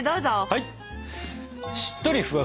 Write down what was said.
はい！